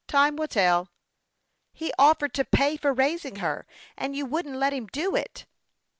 Time will tell." " He offered to pay for raising her, and you Vvouldn't let him do it